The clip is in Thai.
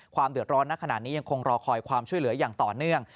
ความเดือดร้อนขนาดนี้ก็ยังคงรอคอยของช่วยเหลืออย่างต่อเนื่อง